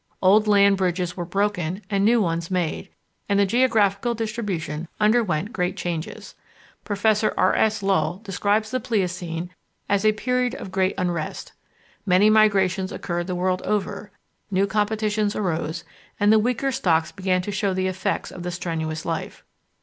Old land bridges were broken and new ones made, and the geographical distribution underwent great changes. Professor R. S. Lull describes the Pliocene as "a period of great unrest." "Many migrations occurred the world over, new competitions arose, and the weaker stocks began to show the effects of the strenuous life.